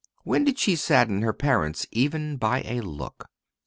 When did she sadden her parents even by a look?...